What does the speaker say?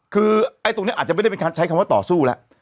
คือไอ้ตรงนี้อาจจะไม่ได้เป็นการใช้คำว่าต่อสู้แล้ว